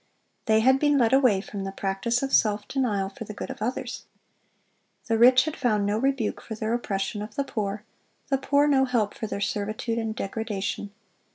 They had been led away from the practice of self denial for the good of others. The rich had found no rebuke for their oppression of the poor, the poor no help for their servitude and degradation.